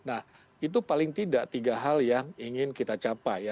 nah itu paling tidak tiga hal yang ingin kita capai ya